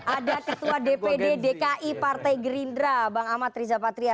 ada ketua dpd dki partai gerindra bang amat rizapatria